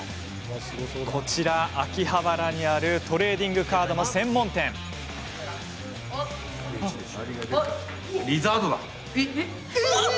こちらは秋葉原にあるトレーディングカードの専門店です。